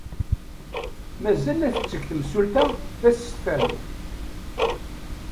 Mazal la tetteg temsulta tasestant.